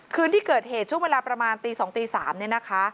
คืนที่เกิดเหตุช่วงเวลาประมาณตี๒ตี๓เนี่ยนะคะ